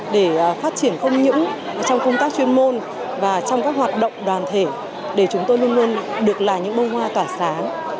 để phát triển không những trong công tác chuyên môn và trong các hoạt động đoàn thể để chúng tôi luôn luôn được là những bông hoa tỏa sáng